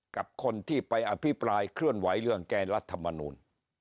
กับคนที่ไปอภิปรายเคลื่อนไหวเรื่องแก้รัฐมนูล